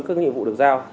các nhiệm vụ được giao